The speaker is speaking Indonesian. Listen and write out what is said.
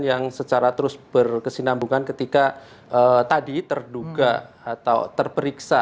yang secara terus berkesinambungan ketika tadi terduga atau terperiksa